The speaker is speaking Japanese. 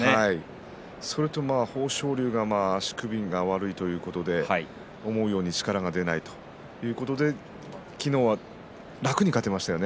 豊昇龍が足首が悪いということで思うように力が出ないということで昨日は楽に勝てましたよね。